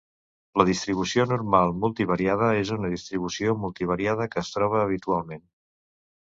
La distribució normal multivariada és una distribució multivariada que es troba habitualment.